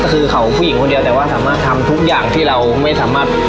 ก็คือเขาผู้หญิงคนเดียวแต่ว่าสามารถทำทุกอย่างที่เราไม่สามารถ